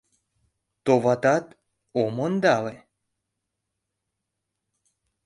— Товатат, ом ондале!